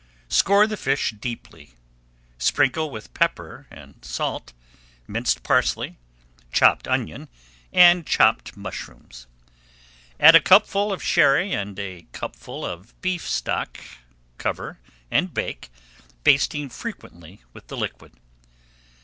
Score the [Page 249] fish deeply, sprinkle with pepper and salt, minced parsley, chopped onion, and chopped mushrooms. Add a cupful of Sherry and a cupful of beef stock, cover, and bake, basting frequently with the liquid.